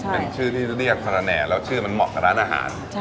เป็นชื่อที่เรียกคาราแห่แล้วชื่อมันเหมาะกับร้านอาหาร